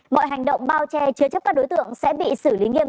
mọi hành động bao che chứa chấp các đối tượng sẽ bị xử lý nghiêm